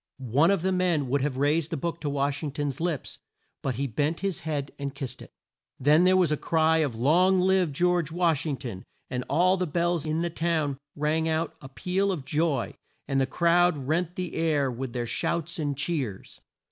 One of the men would have raised the book to Wash ing ton's lips, but he bent his head and kissed it. Then there was a cry of "Long live George Wash ing ton!" and all the bells in the town rang out a peal of joy, and the crowd rent the air with their shouts and cheers.